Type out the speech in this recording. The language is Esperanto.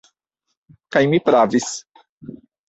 Kaj mi pravis.